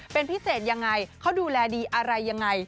เป็นพิเศษยังไงเขาดูแลดีอะไรยังไง